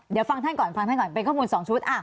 เดี๋ยวฟังท่านก่อนเป็นข้อมูลสองชุด